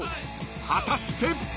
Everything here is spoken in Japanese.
果たして］